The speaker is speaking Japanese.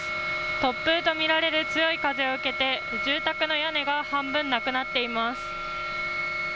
突風と見られる強い風を受けて、住宅の屋根が半分なくなっています。